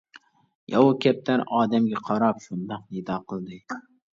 ياۋا كەپتەر ئادەمگە قاراپ شۇنداق نىدا قىلدى.